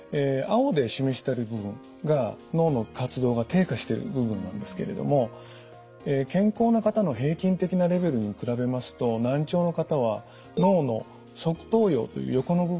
青で示してる部分が脳の活動が低下してる部分なんですけれども健康な方の平均的なレベルに比べますと難聴の方は脳の側頭葉という横の部分ですね。